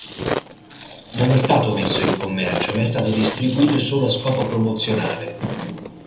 Non è stato messo in commercio ma è stato distribuito solo a scopo promozionale.